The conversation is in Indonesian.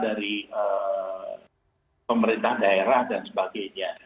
dari pemerintah daerah dan sebagainya